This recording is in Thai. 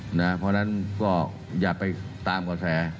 เพราะฉะนั้นก็อย่าไปตามกระแส